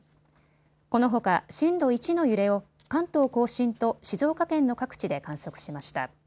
このほか震度１の揺れを関東甲信と静岡県の各地で観測しました。